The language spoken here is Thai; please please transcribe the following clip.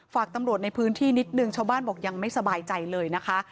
ฝากตำรวจในพื้นที่นิดนึงชาวบ้านบอกยังไม่สบายใจเลยนะคะ